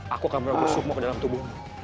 aku akan meroboh sukmu ke dalam tubuhmu